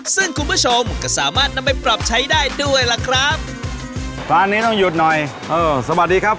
ซึ่งคุณผู้ชมก็สามารถนำไปปรับใช้ได้ด้วยล่ะครับร้านนี้ต้องหยุดหน่อยเออสวัสดีครับ